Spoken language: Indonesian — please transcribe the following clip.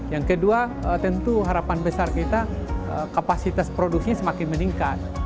yang kedua tentu harapan besar kita kapasitas produksinya semakin meningkat